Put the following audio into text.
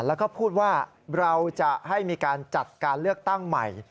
แล้วก็พูดว่าเราจะให้มีการจัดการเลือกตั้งใหม่